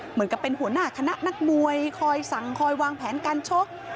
หัวหน้าเป็นหัวหน้าคณะนักมวยคอยสั่งคอยวางแผนการชก